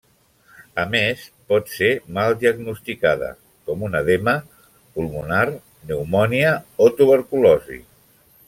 A més, pot ser mal diagnosticada com un edema pulmonar, pneumònia o tuberculosi.